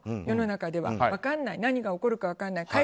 世の中では何が起こるか分からない。